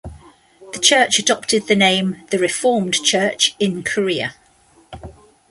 The church adopted the name the Reformed Church in Korea.